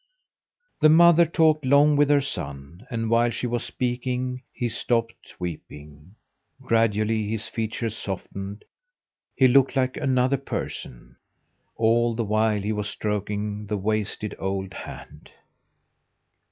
The mother talked long with her son, and while she was speaking he stopped weeping. Gradually his features softened; he looked like another person. All the while he was stroking the wasted old hand.